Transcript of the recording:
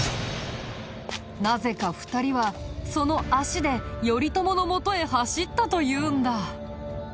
なぜか２人はその足で頼朝のもとへ走ったというんだ。